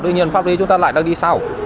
tuy nhiên pháp lý chúng ta lại đang đi sau